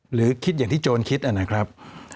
หรือคิดอย่างที่โจรคิดนะครับ